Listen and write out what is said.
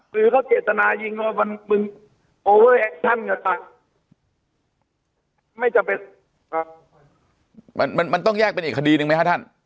หรือเขาเจ็ดตนายิงมันมึงไม่จำเป็นค่ะมันมันต้องแยกเป็นอีกคดีหนึ่งไหมค่ะท่าน